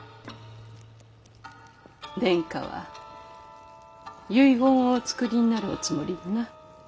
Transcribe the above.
殿下は遺言をお作りになるおつもりでな。